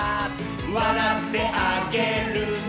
「わらってあげるね」